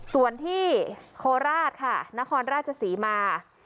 ส่วนที่โคราชค่ะนครราชศรีมา